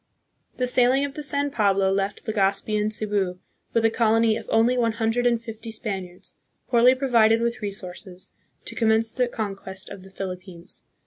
The sailing of the " San Pablo " left Legazpi in Cebu with a colony of only one hundred and fifty Spaniards, poorly provided with resources, to commence the conquest of the Philippines.